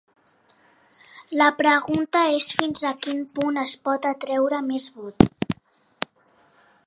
La pregunta és fins a quin punt es pot atreure més vot.